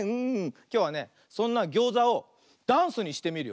きょうはねそんなギョーザをダンスにしてみるよ。